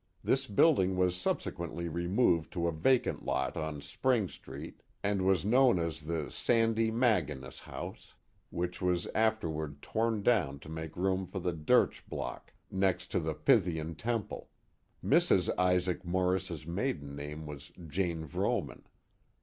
This building was sub scquenlly removed to a vacant lot on Spring Street, and was known as the " Sandy Maginess house," which was afterward torn down to make room for ihe Dersch Block, next to the Pythian Temple. Mrs. Isaac Morris's maiden name was Jane Vrooman.